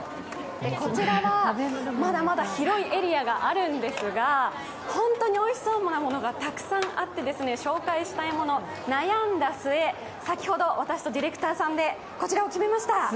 こちらは、まだまだ広いエリアがあるんですが本当においしそうなものがたくさんあって紹介したいもの、悩んだ末先ほど、私とディレクターさんでこちらを決めました。